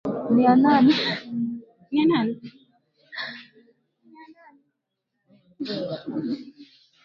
Lakini pia alifanya watazamaji kuwa na wasiwasi jinsi alivyosherehekea